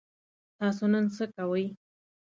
تاسو نن څه کوئ؟